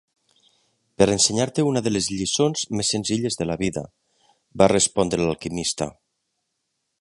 "Per ensenyar-te una de les lliçons més senzilles de la vida", va respondre l'alquimista.